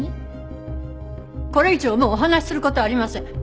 これ以上もうお話しする事はありません。